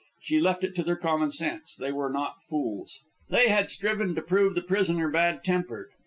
She left it to their common sense; they were not fools. They had striven to prove the prisoner bad tempered.